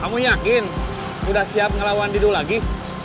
kamu yakin udah siap ngelawan didu lagi